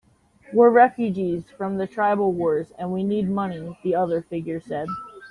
"We're refugees from the tribal wars, and we need money," the other figure said.